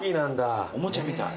おもちゃみたい。